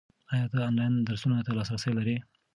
ایا ته آنلاین درسونو ته لاسرسی لرې؟